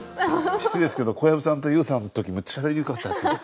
失礼ですけど小籔さんとＹＯＵさんの時めっちゃしゃべりにくかったんですよ。